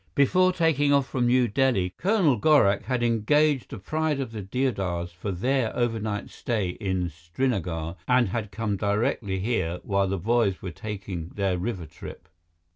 Before taking off from New Delhi, Colonel Gorak had engaged the Pride of the Deodars for their overnight stay in Srinagar and had come directly here while the boys were taking their river trip.